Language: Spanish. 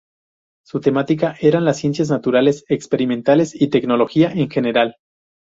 Su temática eran las ciencias naturales, experimentales y tecnología en general.